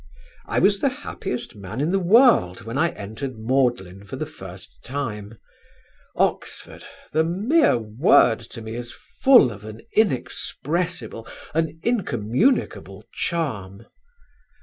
"I was the happiest man in the world when I entered Magdalen for the first time. Oxford the mere word to me is full of an inexpressible, an incommunicable charm.